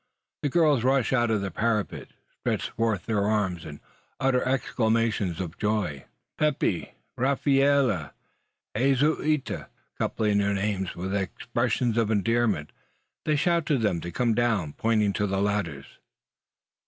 The girls rush out to the parapet, stretch forth their arms, and utter exclamations of joy. The hunters call to them "Pepe!" "Rafaela!" "Jesusita!" coupling their names with expressions of endearment. They shout to them to come down, pointing to the ladders.